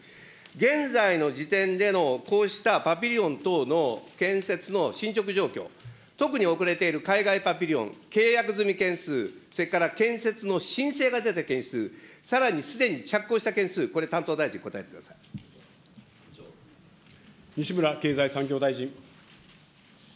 現在の時点でのこうしたパビリオン等の建設の進捗状況、特に遅れている海外パビリオン、契約済み件数、それから建設の申請が出た件数、さらにすでに着工した件数、これ、西村経済産業大臣。